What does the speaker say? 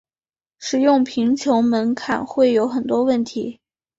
使用贫穷门槛会有很多问题。